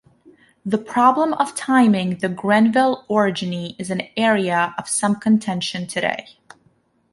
The problem of timing the Grenville orogeny is an area of some contention today.